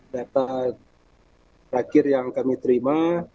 data terakhir yang kami terima